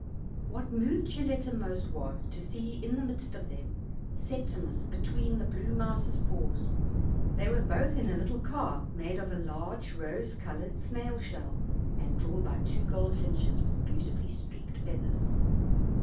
What moved Gilletta most was, to see in the midst of them, Septimus between the blue mouse's paws; they were both in a little car made of a large rose colored snail shell, and drawn by two goldfinches, with beauti fully streaked feathers.